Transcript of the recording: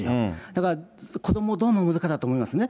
だから子どもをどう見るかだと思いますね。